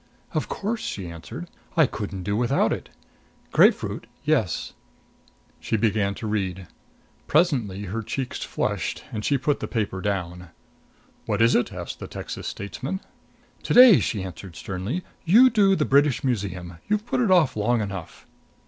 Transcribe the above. "Of course!" she answered. "I couldn't do without it. Grapefruit yes." She began to read. Presently her cheeks flushed and she put the paper down. "What is it?" asked the Texas statesman. "To day," she answered sternly, "you do the British Museum. You've put it off long enough."